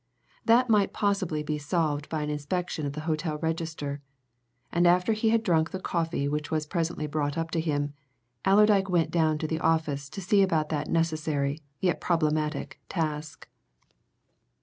That might possibly be solved by an inspection of the hotel register, and after he had drunk the coffee which was presently brought up to him, Allerdyke went down to the office to set about that necessary, yet problematic, task.